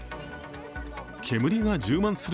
煙が充満する